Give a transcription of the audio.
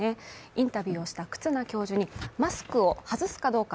インタビューをした忽那教授にマスクを外すかどうか